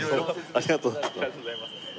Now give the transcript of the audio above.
ありがとうございます。